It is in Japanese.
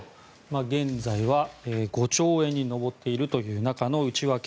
現在は５兆円に上っている中の内訳。